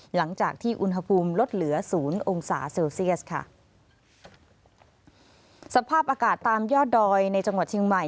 หลังจากที่อุณหภูมิลดเหลือศูนย์องศาเซลเซียสค่ะสภาพอากาศตามยอดดอยในจังหวัดเชียงใหม่